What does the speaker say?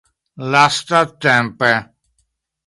lastatempe